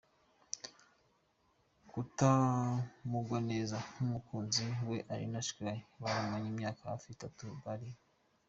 kutamugwa neza numukunzi we Irina Shayk bamaranye imyaka hafi itatu bari.